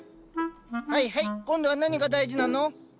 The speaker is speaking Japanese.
はいはい今度は何が大事なの？